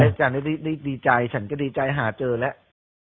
ฉันได้ดีใจฉันก็ดีใจหาเจอแล้ว